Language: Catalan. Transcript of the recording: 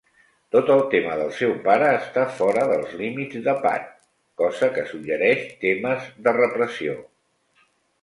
Tot el tema del seu pare està fora dels límits de Pat, cosa que suggereix temes de repressió.